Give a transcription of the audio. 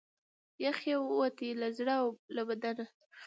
یخ یې ووتی له زړه او له بدنه